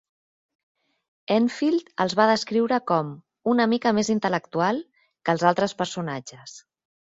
Enfield els va descriure com "una mica més intel·lectual" que els altres personatges.